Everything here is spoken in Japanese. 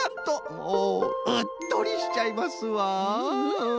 おおうっとりしちゃいますわ。フフフ。